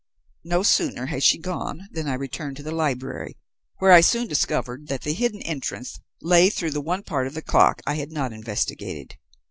No sooner had she gone than I returned to the library, where I soon discovered that the hidden entrance lay through the one part of the clock I had not investigated.